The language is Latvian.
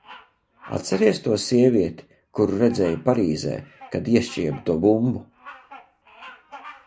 Atceries to sievieti, kuru redzēju Parīzē, kad iešķieba to bumbu?